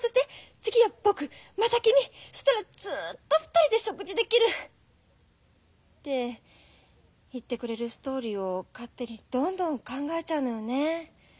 次は僕また君そしたらずっと２人で食事できる」って言ってくれるストーリーを勝手にどんどん考えちゃうのよね。